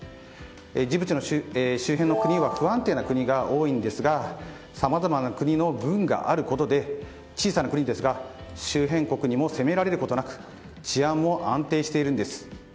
ジブチの周辺の国は不安定な国が多いんですがさまざまな国の軍があることで小さな国ですが周辺国にも攻められることなく治安も安定しているんです。